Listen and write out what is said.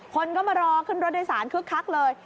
คนก็มารอขึ้นรถโดยสารคึกคักเลย